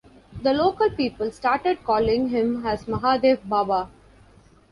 The local people started called him as 'Mahadev Baba'.